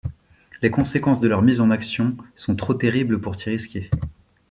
Les conséquences de leur mise en action sont trop terribles pour s'y risquer.